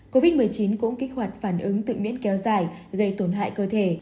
covid một mươi chín cũng kích hoạt phản ứng tự miễn kéo dài gây tổn hại cơ thể